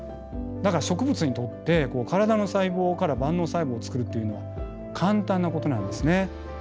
だから植物にとって体の細胞から万能細胞をつくるっていうのは簡単なことなんですね。